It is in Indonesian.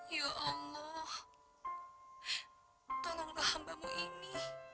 ya allah tolonglah hambamu ini